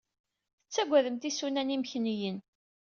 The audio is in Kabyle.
Tettagademt isunan imekniyen.